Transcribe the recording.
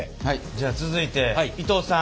じゃあ続いて伊藤さん。